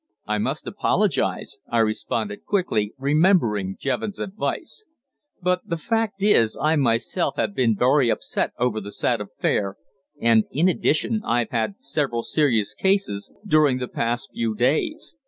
"I must apologise," I responded quickly, remembering Jevons' advice. "But the fact is I myself have been very upset over the sad affair, and, in addition, I've had several serious cases during the past few days.